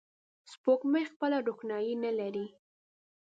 سپوږمۍ خپله روښنایي نه لري